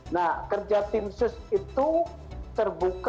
nah kerja tim sus itu terbuka